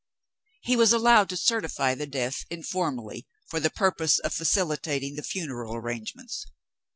He was allowed to certify the death informally, for the purpose of facilitating the funeral arrangements.